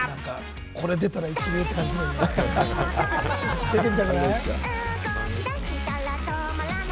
これ出たら一流って感じしない？